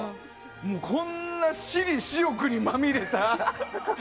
こんな私利私欲にまみれた。